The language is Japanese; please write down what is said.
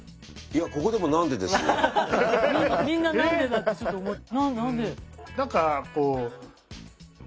みんな何でだってちょっと何で。